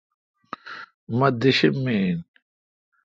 مہ دیشم می این۔